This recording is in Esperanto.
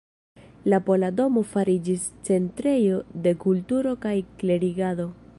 La Pola domo fariĝis centrejo de kulturo kaj klerigado.